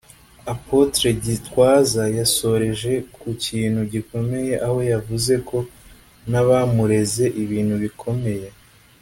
Apotre Gitwaza yasoreje ku kintu gikomeye aho yavuze ko n'abamureze ibintu bikomeye